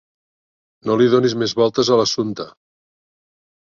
No li donis més voltes a l'assumpte.